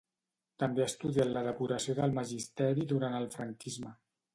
També ha estudiat la depuració del magisteri durant el franquisme.